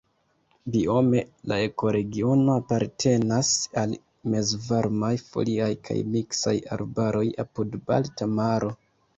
Biome la ekoregiono apartenas al mezvarmaj foliaj kaj miksaj arbaroj apud Balta Maro.